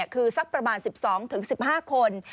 คือสักประมาณ๑๒๑๕คน